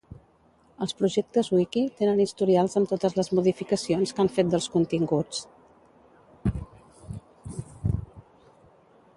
Els projectes wiki tenen historials amb totes les modificacions que han fet dels continguts